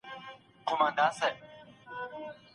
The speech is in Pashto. هغه مړ سړی چي ږیره لري، په ګڼ ډګر کي نه ښکاري.